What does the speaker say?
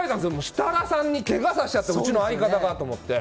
設楽さんにけがさせちゃってうちの相方がと思って。